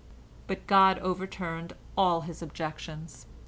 " But God overturned all his objections.